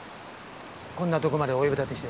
こんなとこまでお呼び立てして。